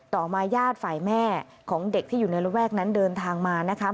ต่อมาญาติฝ่ายแม่ของเด็กที่อยู่ในระแวกนั้นเดินทางมานะคะ